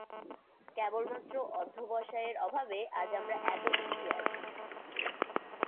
কেবলমাত্র অধ্যবসায়ের অভাবে আজ আমরা এত পিছিয়ে আছি।